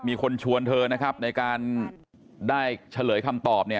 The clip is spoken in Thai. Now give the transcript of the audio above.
มีคนชวนเธอในการได้เฉลยคำตอบ